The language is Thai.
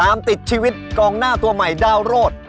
ติดชีวิตกองหน้าตัวใหม่ดาวโรด